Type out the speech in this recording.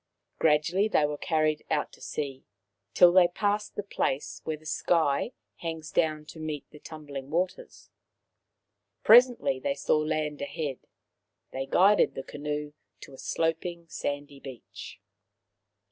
Gradually they were carried out to sea, till they passed the place where the sky hangs down to meet the tumbling waters. Presently they saw land ahead. They guided the canoe to a sloping sandy beach.